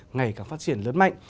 ngày càng phát triển lớn mạnh